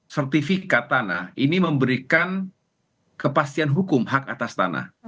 sertifikat tanah ini memberikan kepastian hukum hak atas tanah